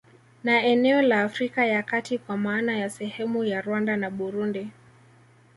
Na eneo la Afrika ya kati kwa maana ya sehemu ya Rwanda na Burundi